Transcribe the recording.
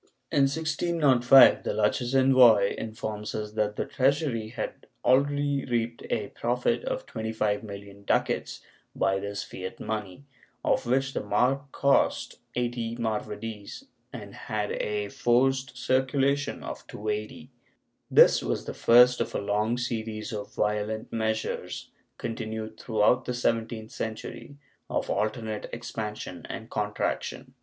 In 1605 the Lucchese envoy informs us that the treasury had already reaped a profit of 25,000,000 ducats by this fiat money, of which the marc cost 80 maravedis and had a forced circulation of 280. This was the first of a long series of violent measures continued throughout the seventeenth century, of alternate expansion and contraction.